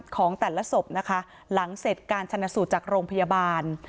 ของแต่ละศพนะคะหลังเสร็จการชนะสูตรจากโรงพยาบาล